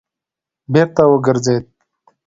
بېرته وګرځېد.